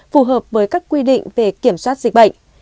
phù hợp với các quy định về kiểm soát dịch bệnh